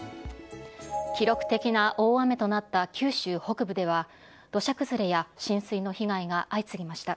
記録的な大雨となった九州北部では、土砂崩れや浸水の被害が相次ぎました。